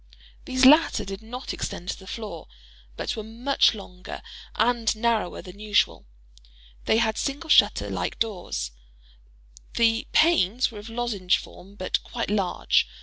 These latter did not extend to the floor, but were much longer and narrower than usual—they had single shutters like doors—the panes were of lozenge form, but quite large.